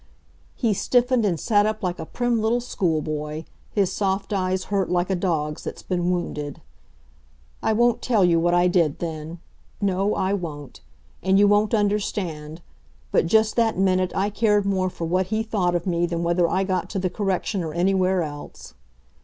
He stiffened and sat up like a prim little school boy, his soft eyes hurt like a dog's that's been wounded. I won't tell you what I did then. No, I won't. And you won't understand, but just that minute I cared more for what he thought of me than whether I got to the Correction or anywhere else.